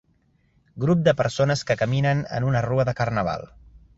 Grup de persones que caminen en una rua de carnaval.